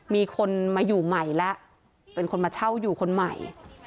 มีคนมาอยู่ใหม่แล้วเป็นคนมาเช่าอยู่คนใหม่